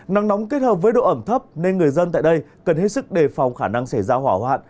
nắng nóng kết hợp với độ ẩm thấp nên người dân tại đây cần hết sức đề phòng khả năng xảy ra hỏa hoạn